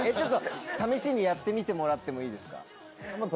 試しにやってみてもらってもいいですか？